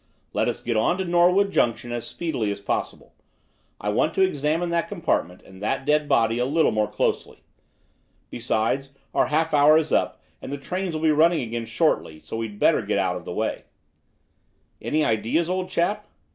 Let us get on to Norwood Junction as speedily as possible. I want to examine that compartment and that dead body a little more closely. Besides, our half hour is about up, and the trains will be running again shortly, so we'd better get out of the way." "Any ideas, old chap?"